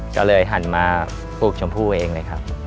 ก็เลยหันมาปลูกชมพู่เองเลยครับ